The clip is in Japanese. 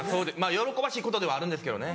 喜ばしいことではあるんですけどね。